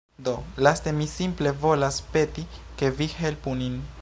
Do, laste mi simple volas peti ke vi helpu nin.